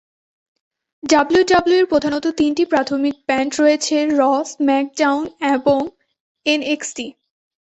ডাব্লিউডাব্লিউইর প্রধানত তিনটি প্রাথমিক ব্র্যান্ড রয়েছে: "র", "স্ম্যাকডাউন" এবং "এনএক্সটি"।